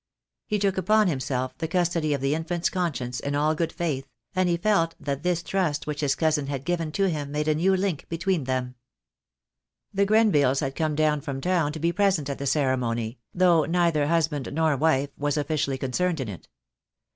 He took upon himself the custody of the infant's conscience in all good The Day will come. II. a 5<D THE DAY WILL COME. faith, and he felt that this trust which his cousin had given to him made a new link between them. The Grenvilles had come down from town to be present at the ceremony, though neither husband nor wife was officially concerned in it.